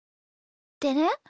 でね